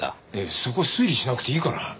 そこ推理しなくていいから。